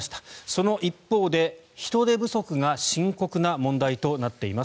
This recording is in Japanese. その一方で人手不足が深刻な問題となっています。